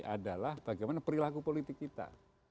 adalah bagaimana perilaku politik kita